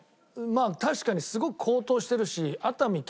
確かにすごく高騰してるし。